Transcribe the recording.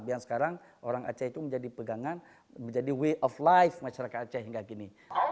yang sekarang orang aceh itu menjadi pegangan menjadi way of life masyarakat aceh hingga kini